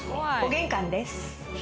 玄関です。